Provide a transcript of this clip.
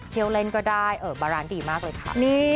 เที่ยวเล่นก็ได้บารานดีมากเลยค่ะ